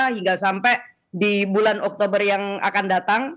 hingga sampai di bulan oktober yang akan datang